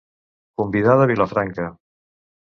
Convidar de Vilafranca.